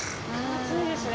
暑いですね